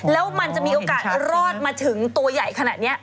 แล้วมันจะมีโอกาสรอดมาถึงตัวใหญ่ขนาดนี้